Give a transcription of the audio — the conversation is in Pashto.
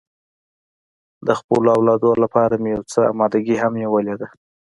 د خپلو اولادو لپاره مې یو څه اماده ګي هم نیولې ده.